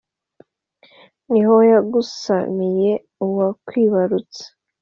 ni ho yagusamiye uwakwibarutse.